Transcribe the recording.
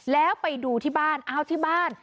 แล้วไปดูที่บ้านอ้าวที่บ้าน